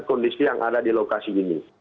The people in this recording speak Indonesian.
kondisi yang ada di lokasi ini